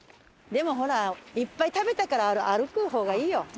でもほらいっぱい食べたから歩く方がいいよ。